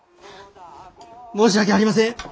申し訳ありません！